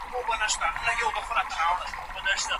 هغه څوک چي ښه خبري کوي، محبوب کېږي.